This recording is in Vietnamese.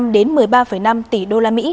đến một mươi ba năm tỷ usd